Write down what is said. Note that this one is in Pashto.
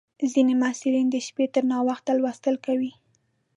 ځینې محصلین د شپې تر ناوخته لوستل کوي.